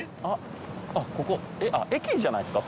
あっここ駅じゃないですか？